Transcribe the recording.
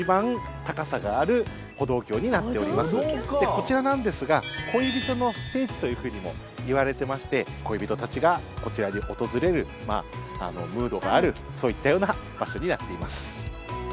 こちらなんですが恋人の聖地ともいわれていまして恋人たちがこちらに訪れるムードがあるそういったような場所になっています。